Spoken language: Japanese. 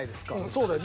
そうだよ。